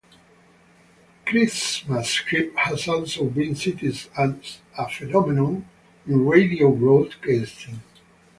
Christmas creep has also been cited as a phenomenon in radio broadcasting.